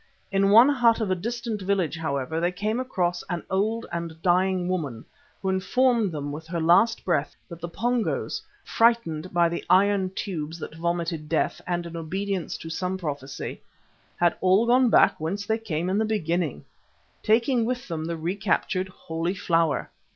In one hut of a distant village, however, they came across an old and dying woman who informed them with her last breath that the Pongos, frightened by the iron tubes that vomited death and in obedience to some prophecy, "had all gone back whence they came in the beginning," taking with them the recaptured "Holy Flower."